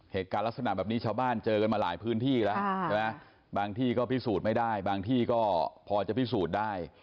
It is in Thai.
เหตุการณ์ลักษณะแบบนี้ชาวบ้านเจอกันมาหลายพื้นที่แล้วใช่ไหมบางที่ก็พิสูจน์ไม่ได้บางที่ก็พอจะพิสูจน์ได้